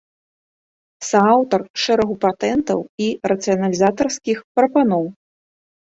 Сааўтар шэрагу патэнтаў і рацыяналізатарскіх прапаноў.